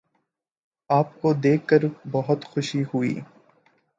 آپ کو دیکھ کر بہت خوشی ہوئی